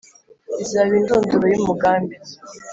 izaba indunduro y’umugambi?